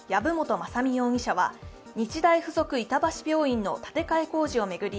雅巳容疑者は日大附属板橋病院の建て替え工事を巡り